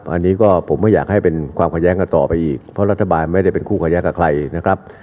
อันนี้ก็ผมไม่อยากให้เป็นความขัดแย้งกันต่อไปอีกเพราะรัฐบาลไม่ได้เป็นคู่ขัดแย้งกับใครนะครับ